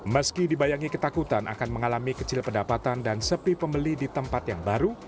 meski dibayangi ketakutan akan mengalami kecil pendapatan dan sepi pembeli di tempat yang baru